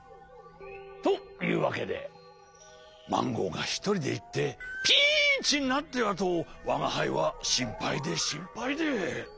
というわけでマンゴーがひとりでいってピンチになってはとわがはいはしんぱいでしんぱいで。